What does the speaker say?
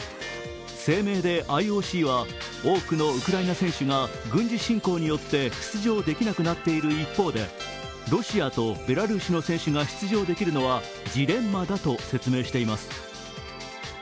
声明でＩＯＣは、多くのウクライナ選手が軍事侵攻によって出場できなくなっている一方でロシアとベラルーシの選手が出場できるのはジレンマだと説明しています。